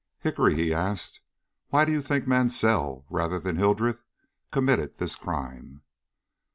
"Hickory," he asked, "why do you think Mansell, rather than Hildreth, committed this crime?"